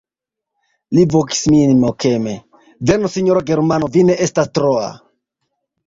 Li vokis min mokeme: "Venu, sinjoro Germano, vi ne estas troa."